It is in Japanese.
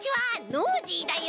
ノージーだよ。